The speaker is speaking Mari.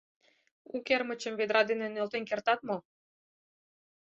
— У кермычым ведра дене нӧлтен кертат мо?